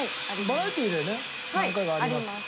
バラエティーでね何回かあります。